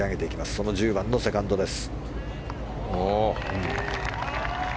その１０番、セカンドです。